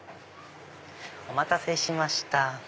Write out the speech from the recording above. お待たせしました。